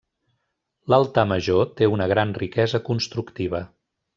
L'altar major té una gran riquesa constructiva.